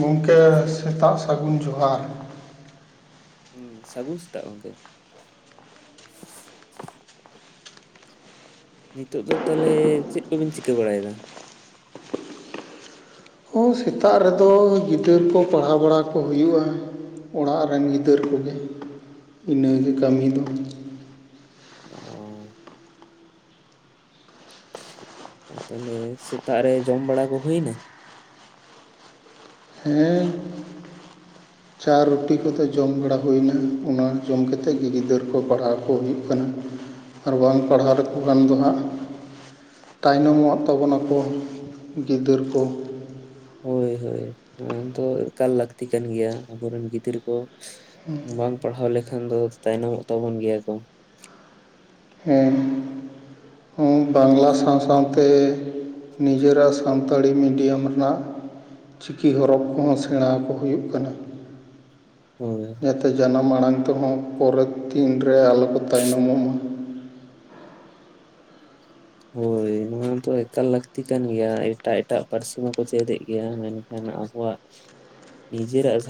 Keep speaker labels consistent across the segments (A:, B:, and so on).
A: ᱜᱚᱢᱠᱮ ᱥᱮᱛᱟᱜ ᱥᱟᱹᱜᱩᱱ ᱡᱚᱦᱟᱨ
B: ᱦᱩᱸ ᱥᱟᱹᱜᱩᱱ ᱥᱮᱛᱟᱜ ᱜᱚᱝᱠᱮ ᱱᱤᱛᱚᱜ ᱫᱚ ᱛᱟᱦᱚᱞᱮ ᱪᱮᱫ ᱠᱚᱵᱤᱱ ᱪᱤᱠᱟᱹ ᱵᱟᱲᱟᱭᱮᱫᱟ
A: ᱦᱚᱸ ᱥᱮᱛᱟᱜ ᱨᱮᱫᱚ ᱜᱤᱫᱟᱹᱨ ᱠᱚ ᱯᱟᱲᱦᱟᱣ ᱵᱟᱲᱟ ᱠᱚ ᱦᱩᱭᱩᱜᱼᱟ ᱚᱲᱟᱜ ᱨᱮᱱ ᱜᱤᱫᱟᱹᱨ ᱠᱚᱜᱮ ᱤᱱᱟᱹᱜᱮ ᱠᱟᱹᱢᱤ ᱫᱚ
B: ᱚᱻ ᱚ ᱛᱟᱦᱮᱞᱮ ᱥᱮᱛᱟᱜ ᱨᱮ ᱡᱚᱢ ᱵᱟᱲᱟ ᱠᱚ ᱦᱩᱭᱱᱟ
A: ᱦᱮᱸ ᱪᱟ ᱨᱩᱴᱤ ᱠᱚᱫᱚ ᱡᱚᱢ ᱵᱟᱲᱟ ᱦᱳᱭ ᱱᱟ ᱚᱱᱟ ᱡᱚᱢ ᱠᱟᱛᱮᱛ ᱜᱮ ᱜᱤᱫᱟᱹᱨ
B: ᱦᱳᱭ ᱦᱳᱭ ᱱᱚᱶᱟ ᱫᱚ ᱮᱠᱟᱞ ᱞᱟᱹᱠᱛᱤ ᱠᱟᱱ ᱜᱤᱭᱟ ᱟᱵᱚᱨᱮᱱ ᱜᱤᱫᱟᱹᱨᱟ ᱠᱚ ᱵᱟᱝ ᱯᱟᱲᱦᱟᱣ ᱞᱮᱠ ᱵᱟᱠᱷᱟᱱ ᱫᱚ ᱛᱟᱭᱱᱚᱢᱚᱜ ᱛᱟᱵᱚᱱ ᱜᱤᱭᱟ ᱠᱚ
A: ᱦᱮᱸ ᱦᱩ ᱵᱟᱝᱞᱟ ᱥᱟᱶ ᱥᱟᱶᱛᱮ
B: ᱦᱳᱭ
A: ᱡᱟᱛᱮ ᱡᱟᱱᱟᱢ ᱟᱲᱟᱝ ᱛᱮᱦᱚᱸ ᱯᱚᱨᱮᱨ ᱫᱤᱱ ᱨᱮ ᱟᱞᱚ ᱠᱚ ᱛᱟᱭᱱᱚᱢᱚᱜᱢᱟ
B: ᱦᱳᱭ ᱱᱚᱣᱟ ᱫᱚ ᱮᱠᱟᱞ ᱞᱟᱹᱠᱛᱤ ᱠᱟᱱ ᱜᱤᱭᱟ ᱮᱴᱟᱜ ᱮᱴᱟᱜ ᱯᱟᱹᱨᱥᱤ ᱢᱟᱠᱚ ᱪᱮᱫᱮᱜ ᱜᱤᱭᱟ ᱢᱮᱱᱠᱷᱟᱱ ᱟᱵᱚᱣᱟᱜ ᱱᱤᱡᱮᱨᱟᱜ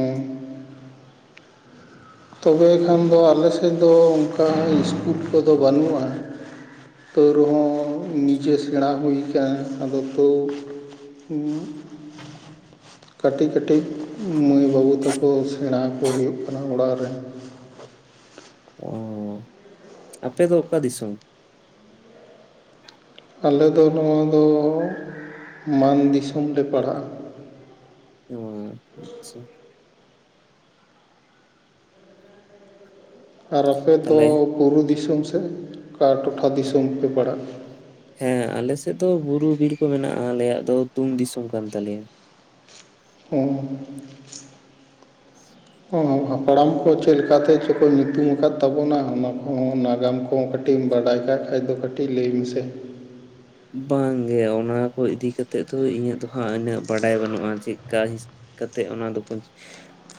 A: ᱦᱮᱸ ᱛᱚᱵᱮ ᱠᱷᱟᱱ ᱫᱚ ᱟᱞᱮ ᱥᱮᱫ ᱫᱚ ᱚᱱᱠᱟ ᱤᱥᱠᱩᱞ ᱠᱚᱫᱚ ᱵᱟᱹᱱᱩᱜᱼᱟ ᱛᱟᱹᱣ ᱨᱮᱦᱚᱸ ᱱᱤᱡᱮ ᱥᱮᱬᱟ ᱦᱩᱭ ᱟᱠᱟᱱ ᱟᱫᱚ ᱛᱟᱹᱣ ᱠᱟᱹᱴᱤᱡ ᱠᱟᱹᱴᱤᱡ ᱢᱟᱹᱭ ᱵᱟᱹᱵᱩ [inaudible]
B: ᱚ ᱟᱯᱮ ᱫᱚ ᱚᱠᱟ ᱫᱤᱥᱚᱢ
A: ᱟᱞᱮ ᱫᱚ ᱱᱚᱣᱟ ᱫᱚ ᱢᱟᱱ ᱫᱤᱥᱚᱢ ᱞᱮ ᱯᱟᱲᱟᱜᱼᱟ
B: ᱚ ᱟᱪᱪᱷᱟ
A: ᱟᱨ ᱟᱯᱮᱫᱚ
B: ᱛᱟᱦᱚᱞᱮ
A: ᱵᱩᱨᱩ ᱫᱤᱥᱚᱢ [inaudible] ᱚᱠᱟ ᱴᱚᱴᱷᱟ ᱫᱤᱥᱚᱢ ᱯᱮ ᱯᱟᱲᱟᱜ
B: ᱟᱞ ᱫᱚ ᱵᱩᱨᱩ ᱵᱤᱨ ᱠᱚ ᱢᱮᱱᱟᱜᱼᱟ ᱟᱞᱮᱭᱟᱜ ᱫᱚ ᱛᱩᱢ ᱫᱤᱥᱚᱢ ᱠᱟᱱ ᱛᱟᱞᱮᱭᱟ
A: ᱦᱮᱸ ᱦᱟᱯᱲᱟᱢ ᱠᱚ ᱪᱮᱫ ᱞᱮᱠᱟᱛᱮ ᱪᱚ ᱠᱚ ᱧᱩᱛᱩᱢ ᱟᱠᱟᱫ ᱛᱟᱵᱚᱱᱟ ᱚᱱᱟ ᱠᱚᱚᱸ ᱱᱟᱜᱟᱢ ᱠᱚᱦᱚᱸ ᱠᱟᱹᱴᱤᱡ ᱮᱢ ᱵᱟᱰᱟᱭ ᱠᱟᱜ ᱠᱷᱟ ᱫᱚ ᱠᱟᱹᱴᱤᱡ ᱞᱟᱹᱭ ᱢᱮᱥᱮ
B: ᱵᱟᱝᱜᱮ ᱚᱱᱟ ᱠᱚ ᱤᱫᱤ ᱠᱟᱛᱮᱫ ᱫᱚ ᱤᱧᱟᱹᱜ ᱫᱚ ᱵᱟᱝ ᱜᱮ ᱩᱱᱟᱠᱚ ᱤᱫᱤ ᱠᱟᱛᱮ ᱫᱚ ᱦᱟᱸᱜ ᱩᱱᱟᱹᱜ ᱵᱟᱰᱟᱭ ᱵᱟᱹᱱᱩᱜᱼᱟ ᱪᱮᱫᱠᱟ ᱦ ᱠᱟᱛᱮᱜ ᱚᱱᱟ ᱫᱚᱠᱚ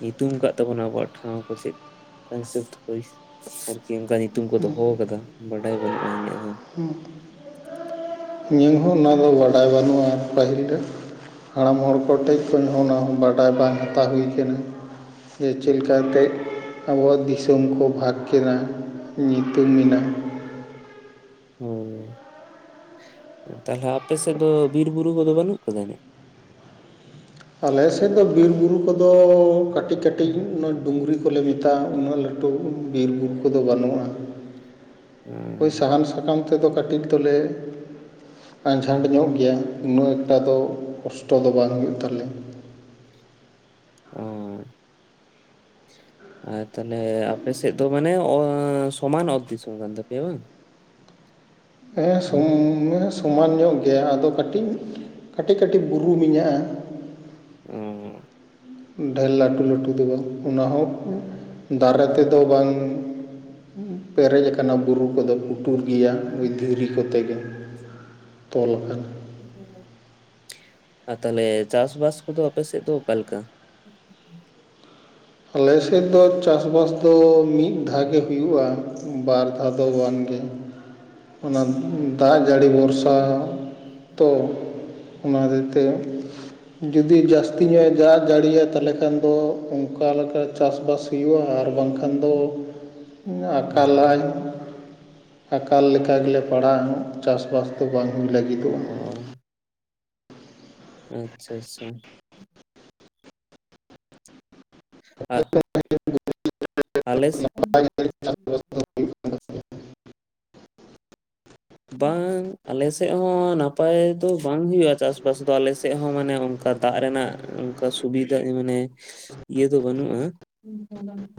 B: ᱧᱩᱛᱩᱢ ᱠᱟᱜ ᱛᱟᱵᱚᱱᱟ ᱟᱵᱚᱣᱟᱜ ᱴᱷᱟᱶ ᱠᱚ ᱪᱮᱫᱠᱟ ᱦᱤᱥᱟᱹᱵ ᱛᱮᱠᱚ ᱚᱱᱠᱟ ᱧᱩᱛᱩᱢ ᱠᱚ ᱫᱚᱦᱚ ᱠᱟᱫᱟ ᱵᱟᱰᱟᱭ ᱵᱟᱹᱱᱩᱜᱼᱟ ᱤᱧᱟᱹᱜ ᱦᱚᱸ
A: ᱦᱩᱸ ᱤᱧᱟᱹᱟᱹᱜ ᱦᱚᱸ ᱚᱱᱟ ᱫᱚ ᱵᱟᱰᱟᱭ ᱵᱟᱹᱱᱩᱜᱼᱟ ᱯᱟᱹᱦᱤᱞ ᱨᱮᱱ ᱦᱟᱲᱟᱢ ᱦᱚᱲ ᱠᱚ ᱴᱷᱮᱡ ᱠᱷᱮᱡ ᱦᱚᱸ ᱚᱱᱟ ᱵᱟᱰᱟᱭ ᱵᱟᱝ ᱦᱟᱛᱟᱣ ᱦᱩᱭ ᱠᱟᱱᱟ ᱡᱮ ᱪᱮᱫᱞᱠᱟᱛᱜ ᱟᱵᱚᱣᱟᱜ ᱫᱤᱥᱚᱢ ᱠᱚ ᱵᱷᱟᱜᱽ ᱠᱮᱫᱟ ᱧᱩᱛᱩᱢ ᱮᱱᱟ
B: ᱦᱳᱭ ᱛᱟᱦᱚᱞᱮ ᱟᱯᱮ ᱥᱮᱫ ᱫᱚ ᱵᱤᱨᱵᱩᱨᱩ ᱠᱚᱫᱚ ᱵᱟᱹᱱᱩᱜ ᱠᱟᱫᱟᱱᱤ
A: ᱟᱞᱮ ᱥᱮᱫ ᱫᱚ ᱵᱤᱨᱼᱵᱩᱨᱩ ᱠᱚᱫᱚ ᱠᱟᱹᱴᱤᱡᱼ ᱠᱟᱹᱴᱤᱡ ᱩ ᱰᱩᱝᱨᱤ ᱠᱚᱞᱮ ᱢᱮᱛᱟᱜᱼᱟ ᱩᱱᱟᱹᱜ ᱞᱟᱹᱴᱩ ᱵᱤᱨᱼᱵᱩᱨᱩ ᱠᱚᱫᱚ ᱵᱟᱹᱱᱩᱜᱼᱟ ᱦᱳᱭ ᱥᱟᱦᱟᱱ ᱥᱟᱠᱟᱢ ᱛᱮᱫᱚ ᱠᱟᱹᱴᱤᱡ ᱠᱟᱹᱴᱤᱡ ᱫᱚᱞᱮ ᱟᱸᱡᱷᱟᱸᱴ ᱧᱚᱜ ᱜᱮᱭᱟ ᱩᱱᱟᱹᱜ ᱮᱠᱴᱟ ᱫᱚ ᱠᱚᱥᱴᱚ ᱫᱚ ᱵᱟᱝ ᱦᱩᱭᱩᱜ ᱛᱟᱞᱮᱭᱟ
B: ᱚᱸ ᱟᱨ ᱛᱟᱦᱞᱮ ᱟᱯᱮ ᱥᱮᱫ ᱫᱚ ᱢᱟᱱᱮ ᱥᱚᱢᱟᱱ ᱚᱛ ᱫᱤᱥᱚᱢ ᱠᱟᱱ ᱛᱟᱯᱮᱭᱟ ᱵᱟᱝ?
A: ᱦᱮᱸ ᱥᱚᱢ
B: ᱦᱩᱸ
A: ᱥᱚᱢᱟᱱ ᱧᱚᱜ ᱭᱟ ᱟᱫᱚ ᱠᱟᱹᱴᱤᱡ ᱠᱟᱹᱴᱤᱡ ᱠᱟᱹᱴᱤᱡ ᱵᱩᱨᱩ ᱢᱮᱱᱟᱜᱼᱟ
B: ᱚ
A: ᱰᱷᱮᱨ ᱞᱟᱹᱴᱩ ᱞᱟᱹᱴᱩ ᱫᱚ ᱵᱟᱝ ᱚᱱᱟ ᱦᱚᱸᱚᱸ ᱫᱟᱨᱮ ᱛᱮᱫᱚ ᱵᱟᱝ ᱯᱮᱨᱮᱡ ᱟᱠᱟᱱᱟ ᱵᱩᱨᱩ ᱠᱚᱫᱚ ᱞᱩᱴᱩᱨ ᱜᱮᱭᱟ ᱫᱷᱤᱨᱤ ᱠᱚᱛᱮ ᱜᱮ ᱛᱚᱞᱟᱠ
B: ᱟᱨ ᱛᱟᱦᱚᱞᱮ ᱪᱟᱥᱵᱟᱥ ᱠᱚᱫᱚ ᱟᱯᱮ ᱥᱮᱫ ᱫᱚ ᱚᱠᱟᱮ ᱞᱮᱠᱟ
A: ᱟᱞᱮ ᱥᱮᱫ ᱫᱚ ᱪᱟᱥᱵᱟᱥ ᱫᱚ ᱢᱤᱫ ᱫᱷᱟᱣᱮ ᱦᱩᱭᱩᱜᱼᱟ ᱵᱟᱨ ᱫᱷᱟᱣ ᱫᱚ ᱵᱟᱝ ᱜᱮ ᱚᱱᱟ ᱫᱟᱜ ᱨᱟᱡᱟᱹᱲᱤ ᱵᱷᱚᱨᱥᱟ ᱛᱚ ᱚᱱᱟ ᱦᱚᱛᱮᱡ ᱛᱮ ᱡᱩᱫᱤ ᱡᱟᱹᱥᱛᱤ ᱧᱚᱜ ᱮ ᱫᱟᱜ ᱡᱟᱹᱲᱤᱭᱟ ᱛᱟᱦᱚᱞᱮ ᱠᱷᱟᱱ ᱫᱚ ᱚᱱᱠᱟᱠᱟ ᱞᱮᱠᱟ ᱪᱟᱥ ᱵᱟᱥ ᱦᱩᱭᱩᱜᱭᱳᱼᱟ ᱟᱨ ᱵᱟᱝ ᱟᱠᱷᱟᱱ ᱫᱚ ᱟᱠᱟᱞᱟᱭ ᱟᱠᱟᱞ ᱞᱮᱠᱟ ᱜᱮᱞᱮ ᱯᱟᱲᱟᱜᱼᱟ ᱪᱟᱥᱵᱟᱥ ᱫᱚ ᱵᱟᱝ ᱦᱩᱭ ᱞᱟᱹᱜᱤᱫᱚᱜᱼᱟ
B: ᱚ ᱟᱪᱪᱷᱟ ᱟᱪᱪᱷᱟ
A: [inaudible]
B: ᱟᱜ
A: ᱼᱼ [inaudible]
B: [unintelligible]
A: [unintelligible]
B: ᱵᱟᱝ ᱟᱞᱮ ᱥᱮᱫ ᱦᱚᱸ ᱱᱟᱯᱟᱭ ᱫᱚ ᱵᱟᱝ ᱦᱩᱭᱩᱜᱼᱟ ᱪᱟᱥᱵᱟᱥ ᱫᱚ ᱟᱞᱮ ᱥᱮᱫ ᱦᱚᱸ ᱢᱟᱱᱮ ᱚᱱᱠᱟ ᱫᱟᱜ ᱨᱮᱱᱟᱜ ᱚᱱᱠᱟ ᱥᱩᱵᱤᱫᱟ ᱢᱟᱱᱮ ᱤᱭᱟᱹ ᱫᱚ ᱵᱟᱹᱱᱩᱜᱼᱟ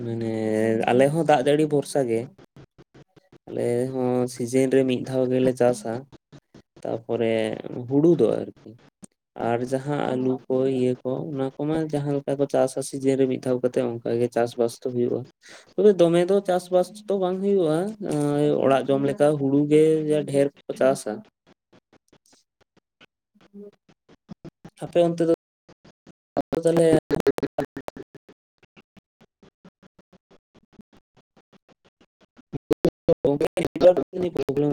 B: ᱢᱟᱱᱮ ᱟᱞᱮ ᱦᱚᱸ ᱫᱟᱜ ᱡᱟᱹᱲᱤ ᱵᱷᱚᱨᱥᱟ ᱜᱮ ᱟᱞᱮ ᱦᱚᱸ ᱥᱤᱡᱮᱱ ᱨᱮ ᱢᱤᱫ ᱢᱤᱫ ᱫᱷᱟᱣ ᱜᱮᱞᱮ ᱪᱟᱥᱟ ᱛᱟᱯᱚᱨᱮ ᱦᱩᱲᱩ ᱫᱚ ᱟᱨᱠᱤ ᱟᱨ ᱡᱟᱦᱟᱸ ᱟᱞᱩ ᱠᱚ ᱤᱭᱟᱹ ᱠᱚ ᱚᱱᱟ ᱠᱚᱢᱟ ᱡᱟᱦᱟᱸ ᱞᱮᱠᱟ ᱠᱚ ᱪᱟᱥᱟ ᱥᱤᱡᱤᱱ ᱨᱮ ᱢᱤᱫ ᱫᱷᱟᱣ ᱠᱟᱛᱮ ᱚᱱᱠᱟᱟᱜ ᱜᱮ ᱪᱟᱥ ᱵᱟᱥ ᱫᱚ ᱦᱩᱭᱩᱜᱼᱟ ᱛᱚᱵᱮ ᱫᱚᱢᱮ ᱫᱚ ᱪᱟᱥ ᱵᱟᱥ ᱫᱚ ᱵᱟᱝ ᱦᱩᱭᱩᱜᱼᱟ ᱚᱲᱟᱜ ᱡᱚᱢ ᱞᱮᱠᱟ ᱦᱩᱲᱩ ᱜᱮ ᱡᱟ ᱰᱷᱮᱨ ᱠᱚ ᱪᱟᱥᱟ [inaudible] ᱟᱯᱮ ᱚᱱᱛᱮ ᱫᱚ ᱚ ᱛᱟᱦᱞᱮ ᱜᱚᱝᱠᱮ ᱩᱱᱤ ᱯᱚᱵᱱᱟ